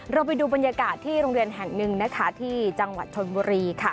เราไปดูบรรยากาศที่โรงเรียนแห่งหนึ่งนะคะที่จังหวัดชนบุรีค่ะ